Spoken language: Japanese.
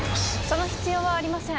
その必要はありません